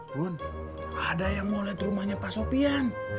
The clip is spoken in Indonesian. bun ada yang mau liat rumahnya pak sopian